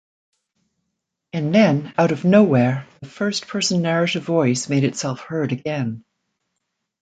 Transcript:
And then, out of nowhere, the first-person narrative voice made itself heard again.